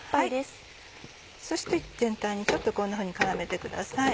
そして全体にちょっとこんなふうに絡めてください。